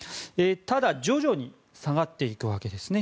ただ、徐々に下がっていくわけです。